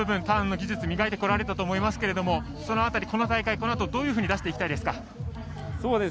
ターンの技術を磨いてこられたと思いますけどその辺り、この大会でこのあと、どういうふうに出していきたいですか？